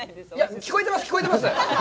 聞こえてます、聞こえてます。